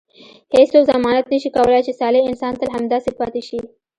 هیڅوک ضمانت نه شي کولای چې صالح انسان تل همداسې پاتې شي.